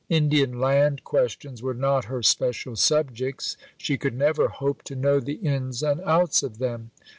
Indian land questions were not her special subjects; she could never hope to know the ins and outs of them.